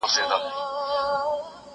ايا ته ليکنې کوې